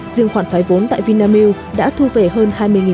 dương khoản thoái vốn tại vinamilk đã thu về hơn hai mươi tỷ đồng